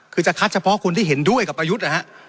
คือจะคัดเฉพาะคนที่เห็นด้วยกับประยุทธ์นะฮะ